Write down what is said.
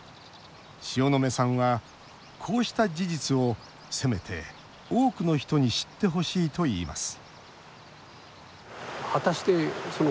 塩野目さんは、こうした事実をせめて多くの人に知ってほしいといいます